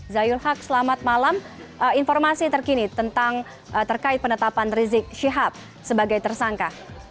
zayul haq selamat malam informasi terkini terkait penetapan rizik syihab sebagai tersangka